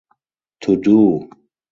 To do.